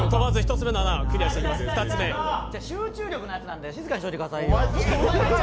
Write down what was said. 集中力のやつなんですよ、静かにしてくださいよ。